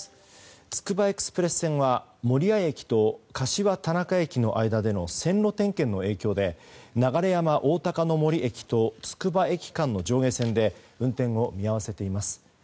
つくばエクスプレス線は守谷駅と柏たなか駅の間での線路点検の影響で流山おおたかの森駅とつくば駅間の上下線で運転を見合わせています。